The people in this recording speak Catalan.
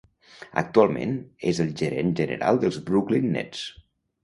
Actualment és el gerent general dels Brooklyn Nets.